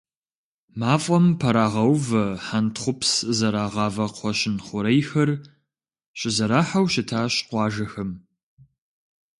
Мафӏэм пэрагъэувэ хьэнтхъупс зэрагъавэ кхъуэщын хъурейхэр щызэрахьэу щытащ къуажэхэм.